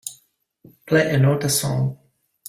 Play a Nóta song